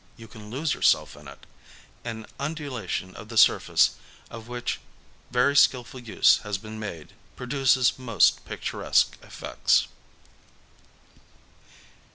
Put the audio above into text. You can lose yourself in it. An un ddation of the surface, of which very skilful use has been made, produces most picturesque eflSscts.